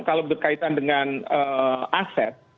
kalau berkaitan dengan aset